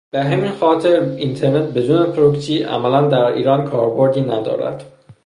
به همین خاطر اینترنت بدون پروکسی عملا در ایران کاربردی ندارد.